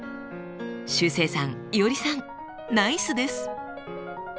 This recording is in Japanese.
しゅうせいさんいおりさんナイスです！